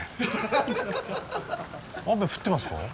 雨降ってますか？